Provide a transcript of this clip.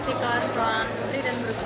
untuk kelas saya yang berat